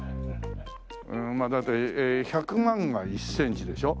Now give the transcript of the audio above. うんまあだって１００万が１センチでしょ。